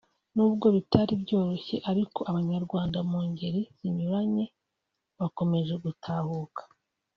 nubwo bitari byoroshye ariko Abanyarwanda mu ngeri zinyuranye bakomeje gutahuka